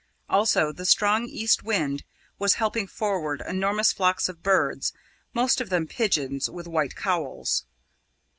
Also the strong east wind was helping forward enormous flocks of birds, most of them pigeons with white cowls.